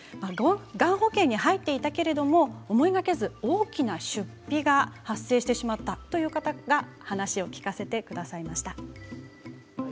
がん保険に入っていたけれども思いがけず大きな出費が発生してしまったという方が話を聞かせてくださいました。